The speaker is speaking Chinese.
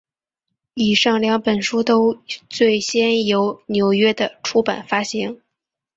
以上两本书都最先由纽约的出版发行。